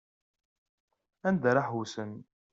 Anda ara ḥewsen.